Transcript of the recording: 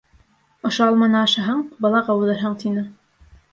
Ошо алманы ашаһаң, балаға уҙырһың, тине.